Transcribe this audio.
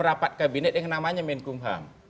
rapat kabinet yang namanya menkumham